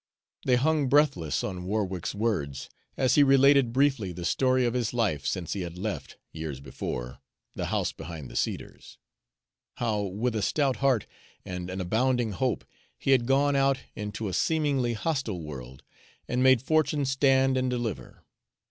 They hung breathless on Warwick's words as he related briefly the story of his life since he had left, years before, the house behind the cedars how with a stout heart and an abounding hope he had gone out into a seemingly hostile world, and made fortune stand and deliver.